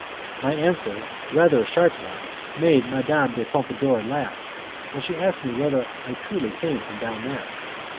My answer, rather a sharp one, made Madame de Pompadour laugh, and she asked me whether I truly came from down there.